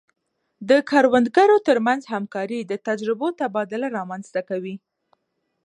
د کروندګرو ترمنځ همکاري د تجربو تبادله رامنځته کوي.